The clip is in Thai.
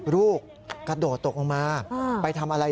ลูกกระโดดตกลงมาไปทำอะไร